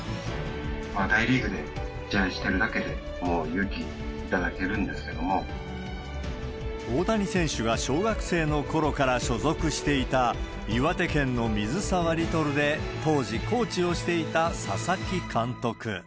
大リーグで試合をしてるだけで、大谷選手が小学生のころから所属していた、岩手県の水沢リトルで、当時コーチをしていた佐々木監督。